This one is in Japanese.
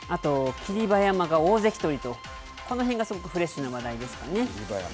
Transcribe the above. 霧馬山が大関取りとこの辺がすごくフレッシュな話題ですかね。